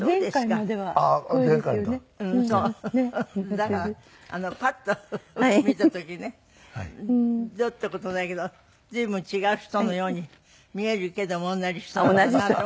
だからパッと見た時ねどうって事ないけど随分違う人のように見えるけども同じ人なんだなと。